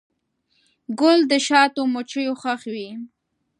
ګل د شاتو مچیو خوښ وي.